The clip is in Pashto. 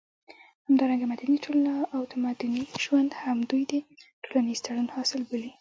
همدارنګه مدني ټولنه او تمدني ژوند هم دوی د ټولنيز تړون حاصل بولي